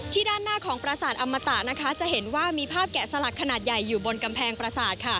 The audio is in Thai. ด้านหน้าของประสาทอมตะนะคะจะเห็นว่ามีภาพแกะสลักขนาดใหญ่อยู่บนกำแพงประสาท